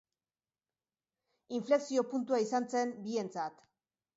Inflexio-puntua izan zen bientzat.